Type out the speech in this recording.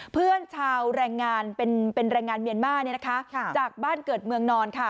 เพื่อนชาวแรงงานเป็นแรงงานเมียนมาจากบ้านเกิดเมืองนอนค่ะ